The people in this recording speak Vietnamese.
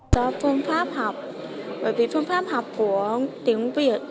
do phương pháp học bởi vì phương pháp học của tiếng việt